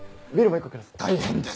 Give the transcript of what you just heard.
大変です！